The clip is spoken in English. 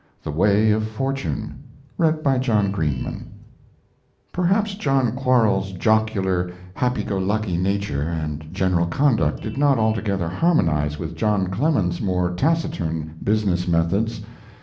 V. THE WAY OF FORTUNE Perhaps John Quarles's jocular, happy go lucky nature and general conduct did not altogether harmonize with John Clemens's more taciturn business methods.